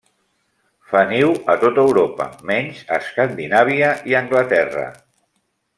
Fa niu a tot Europa, menys a Escandinàvia i Anglaterra.